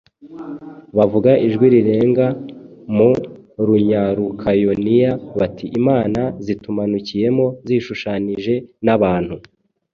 bavuga ijwi rirenga mu Runyalukayoniya, bati “Imana zitumanukiyemo zishushanije n’abantu.”